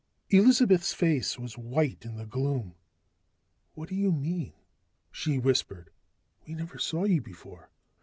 Elizabeth's face was white in the gloom. "What do you mean?" she whispered. "We never saw you before."